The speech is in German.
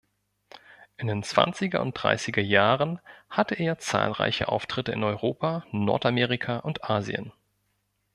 In den Zwanziger- und Dreißiger-Jahren hatte er zahlreiche Auftritte in Europa, Nordamerika und Asien.